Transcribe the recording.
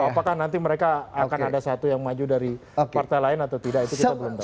apakah nanti mereka akan ada satu yang maju dari partai lain atau tidak itu kita belum tahu